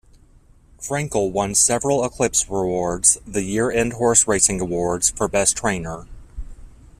Frankel won several Eclipse Awards, the year-end horse racing awards, for best trainer.